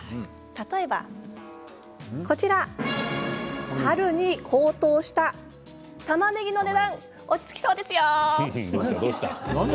例えば春に高騰したたまねぎの値段落ち着きそうですよ。